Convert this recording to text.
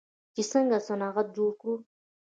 چې څنګه صنعت جوړ کړو.